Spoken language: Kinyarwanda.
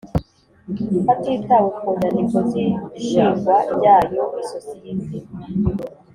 Hatitawe ku nyandiko z ishingwa ryayo isosiyete